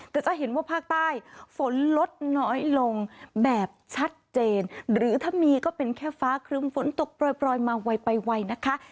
แต่จะเห็นว่าภาคใต้ฝนลดน้อยลงแบบชัดเจนหรือถ้ามีก็เป็นแค่ฟ้าครึมฝนตกปล่อยมาไวไปไวนะคะ